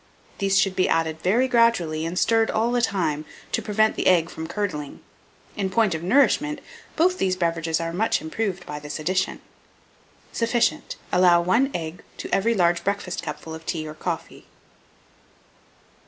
These should be added very gradually, and stirred all the time, to prevent the egg from curdling. In point of nourishment, both these beverages are much improved by this addition. Sufficient. Allow 1 egg to every large breakfast cupful of tea or coffee.